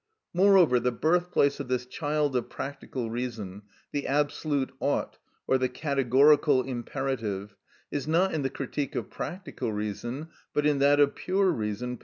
Moreover, the birthplace of this child of practical reason, the absolute ought or the categorical imperative, is not in the "Critique of Practical Reason," but in that of "Pure Reason," p.